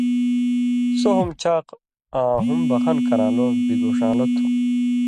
سو ہُم چاق آں ہُم بخن کران٘لو (بِگوݜان٘لو) تُھو۔